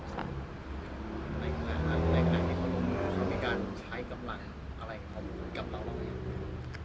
ในขณะที่เขาทำมีการใช้กำลังอะไรของเขากับเราแล้วอย่างไร